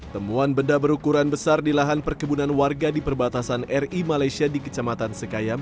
temuan benda berukuran besar di lahan perkebunan warga di perbatasan ri malaysia di kecamatan sekayam